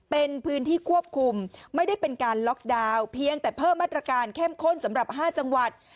เป็นพื้นที่ควบคุมไม่ได้เป็นการล็อกดาวน์เพียงแต่เพิ่มมาตรการเข้มข้นสำหรับ๕จังหวัด